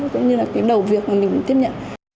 cũng như là đầu việc mình tiếp nhận